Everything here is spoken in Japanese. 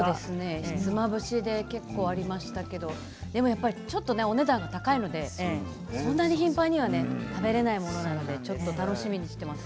ひつまぶしで結構ありましたけどでもちょっとお値段が高いのでそんなに頻繁には食べられないものなのでちょっと楽しみにしています。